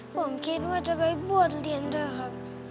ผมคิดว่าจะไปบวชเรียนด้วยครับ